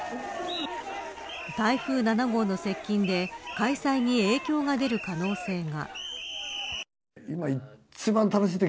台風７号の接近で開催に影響が出る可能性が。